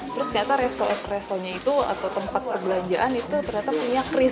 terus ternyata restoran atau tempat perbelanjaan itu ternyata punya kiris